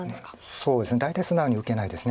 そうですね大体素直に受けないです。